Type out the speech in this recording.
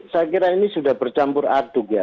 saya kira ini sudah bercampur aduk ya